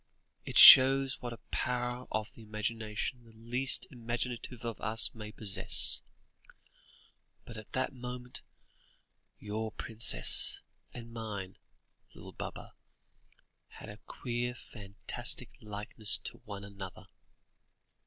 It shows what a power of imagination the least imaginative of us may possess; but at that moment, your princess and mine, little Baba, had a queer fantastic likeness to one another."